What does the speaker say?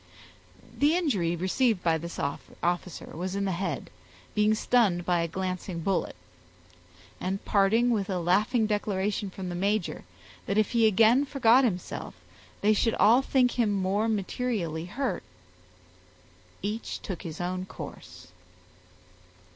The injury received by this officer was in the head, being stunned by a glancing bullet; and parting with a laughing declaration from the major, that if he again forgot himself, they should all think him more materially hurt, each took his own course.